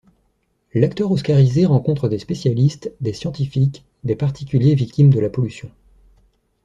L'acteur oscarisé rencontre des spécialistes, des scientifiques, des particuliers victimes de la pollution.